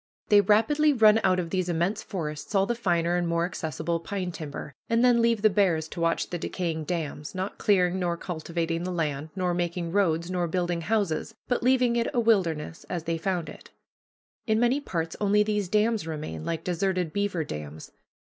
They rapidly run out of these immense forests all the finer and more accessible pine timber, and then leave the bears to watch the decaying dams, not clearing nor cultivating the land, nor making roads, nor building houses, but leaving it a wilderness, as they found it. In many parts only these dams remain, like deserted beaver dams.